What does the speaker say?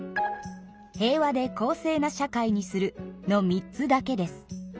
「平和で公正な社会にする」の３つだけです。